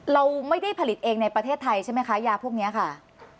เราไม่ได้ผลิตเองในประเทศไทยใช่ไหมคะยาพวกนี้ค่ะ